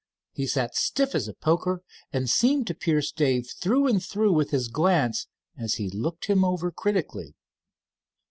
He sat stiff as a poker, and seemed to pierce Dave through and through with his glance as he looked him over critically.